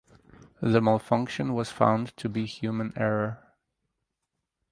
The malfunction was found to be human error.